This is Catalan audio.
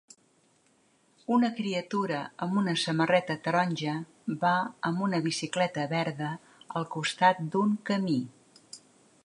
Una criatura amb una samarreta taronja va amb una bicicleta verda al costat d'un camí.